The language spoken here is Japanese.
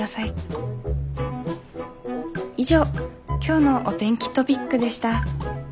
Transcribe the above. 以上今日のお天気トピックでした。